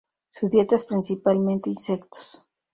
Su dieta es principalmente insectos.